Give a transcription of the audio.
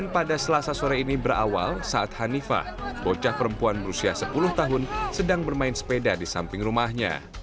pada awal saat hanifah bocah perempuan berusia sepuluh tahun sedang bermain sepeda di samping rumahnya